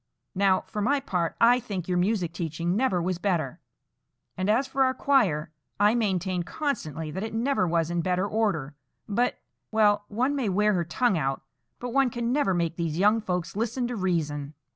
Now, for my part, I think your music teaching never was better; and as for our choir, I maintain constantly that it never was in better order, but—Well, one may wear her tongue out, but one can never make these young folks listen to reason."